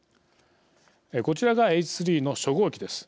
こちらがＨ３の初号機です。